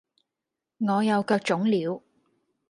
我又腳腫了